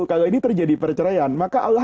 kalau ini terjadi perceraian maka allah